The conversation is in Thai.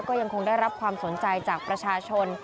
ก็ยังคงได้รับความสนใจจากประชาชน